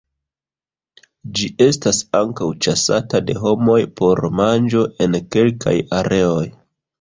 Ĝi estas ankaŭ ĉasata de homoj por manĝo en kelkaj areoj.